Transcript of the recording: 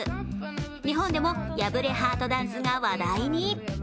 日本でも破れハートダンスが話題に。